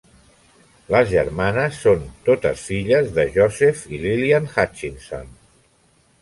Les germanes són totes filles de Joseph i Lillian Hutchinson.